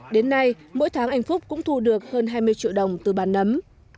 đến nay mỗi tháng anh phúc cũng thu được hơn hai mươi triệu đồng từ bàn nấm